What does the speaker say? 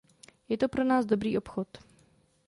Je to pro nás dobrý obchod.